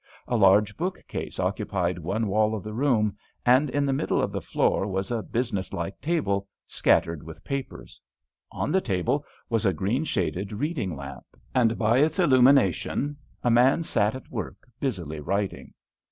A large bookcase occupied one wall of the room, and in the middle of the floor was a business like table, scattered with papers. On the table was a green shaded reading lamp, and by its illumination a man sat at work busily writing.